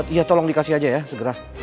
iya tolong dikasih aja ya segera